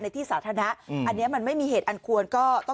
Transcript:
ในที่สาธารณะอันนี้มันไม่มีเหตุอันควร